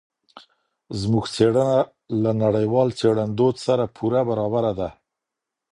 زموږ څېړنه له نړیوال څېړندود سره پوره برابره ده.